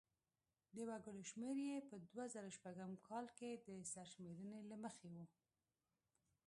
د وګړو شمیر یې په دوه زره شپږم کال د سرشمېرنې له مخې و.